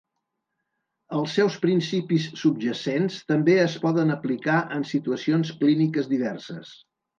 Els seus principis subjacents també es poden aplicar en situacions clíniques diverses.